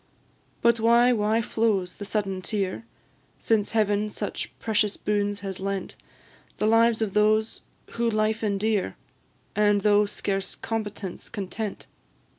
But why, why flows the sudden tear, Since Heaven such precious boons has lent, The lives of those who life endear, And, though scarce competence, content?